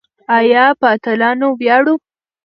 آیا په اتلانو ویاړو؟